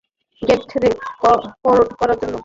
Date কোরড করার জন্য।